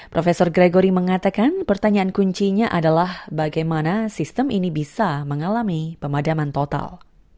prof gregory mengatakan pertanyaan kuncinya adalah bagaimana sistem ini bisa mengalami pemadaman total